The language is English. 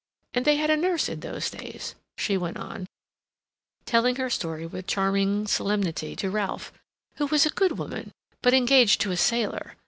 And they had a nurse in those days," she went on, telling her story with charming solemnity to Ralph, "who was a good woman, but engaged to a sailor.